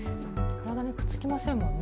体にくっつきませんもんね